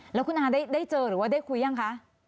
แล้วคุณอาได้เจอหรือว่าได้คุยยังคะ